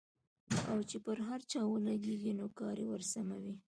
او چې پر هر چا ولګېږي نو کار يې ورسموي.